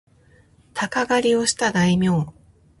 鷹狩をした大名